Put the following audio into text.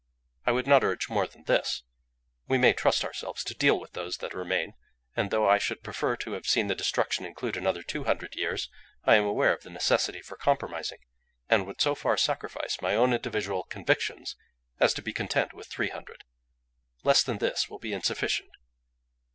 I would not urge more than this. We may trust ourselves to deal with those that remain, and though I should prefer to have seen the destruction include another two hundred years, I am aware of the necessity for compromising, and would so far sacrifice my own individual convictions as to be content with three hundred. Less than this will be insufficient."